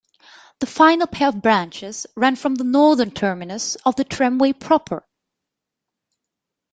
The final pair of branches ran from the northern terminus of the tramway proper.